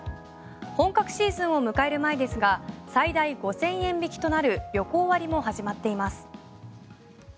本格シーズンを迎える前ですが最大５０００円引きとなる旅行割も始まっています。